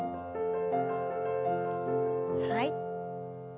はい。